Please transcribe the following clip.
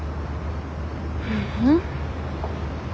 ううん。